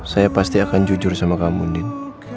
saya pasti akan jujur sama kamu din